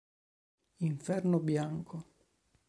Inferno bianco